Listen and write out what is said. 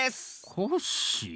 コッシー！